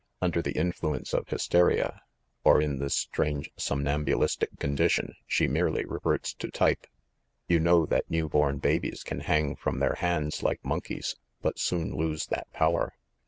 Under the influence of hysteria, or in this strange somnambulistic condi tion, she merely reverts to type. You know that new born babies can hang from their hands, like monkeys, but soon lose that power.